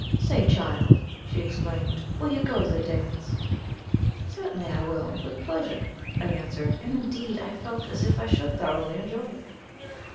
"Say, child!" she exclaimed; "will you go to the dance?" "Certainly I will, with pleasure," I answered, and indeed I felt as if I should thoroughly enjoy it.